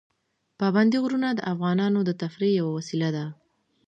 پابندی غرونه د افغانانو د تفریح یوه وسیله ده.